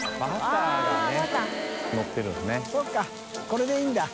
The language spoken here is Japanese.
これでいいんだ。